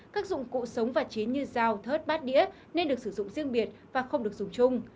các dụng cụ sống và chế như dao thớt bát đĩa nên được sử dụng riêng biệt và không được dùng chung